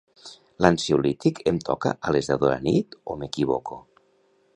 L'ansiolític em toca a les deu de la nit o m'equivoco?